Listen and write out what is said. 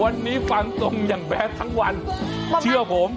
วันนี้ฟังตรงอย่างแบดทั้งวันเชื่อผม